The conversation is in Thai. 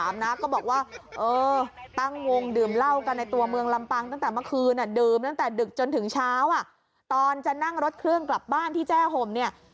อ่ะดื่มตั้งแต่ดึกจนถึงเช้าอ่ะตอนจะนั่งรถเครื่องกลับบ้านที่แจ้ห่มเนี่ย